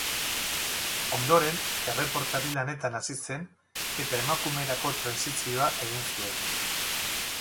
Ondoren erreportari-lanetan hasi zen eta emakumerako trantsizioa egin zuen.